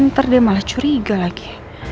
ntar dia malah curiga lagi